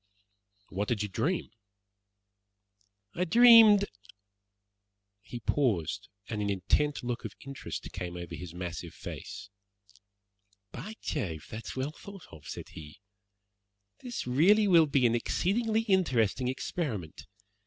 "What did you dream?" "I dreamed " He paused, and an intent look of interest came over his massive face. "By Jove, that's well thought of," said he. "This really will be an exceedingly interesting experiment.